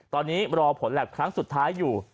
ตอนนี้รอผลแล็บครั้งสุดท้ายอยู่